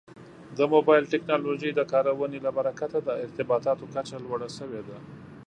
د موبایل ټکنالوژۍ د کارونې له برکته د ارتباطاتو کچه لوړه شوې ده.